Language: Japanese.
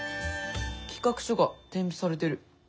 企画書が添付されてる。